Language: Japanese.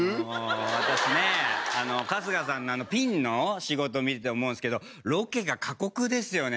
私ね春日さんのピンの仕事見てて思うんですけどロケが過酷ですよね